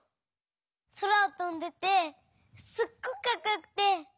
そらをとんでてすっごくかっこよくて。